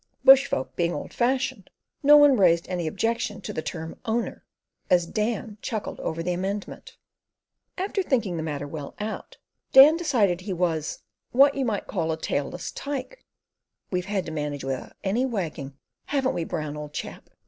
Bush folk being old fashioned, no one raised any objection to the term "owner," as Dan chuckled over the amendment. After thinking the matter well out, Dan decided he was "what you might call a tail less tyke." "We've had to manage without any wagging, haven't we, Brown, old chap?"